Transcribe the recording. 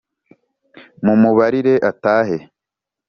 mu mubabarire atahe